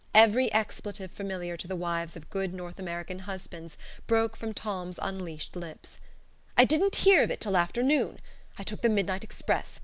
Every expletive familiar to the wives of good North American husbands broke from Tom's unleashed lips. "I didn't hear of it till afternoon. I took the midnight express.